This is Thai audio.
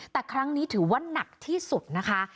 แต่ครั้งนี้ถือว่านักที่สุดนะคะ